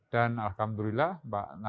dan alhamdulillah mbak